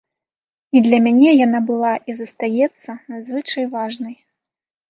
І для мяне яна была і застаецца надзвычай важнай.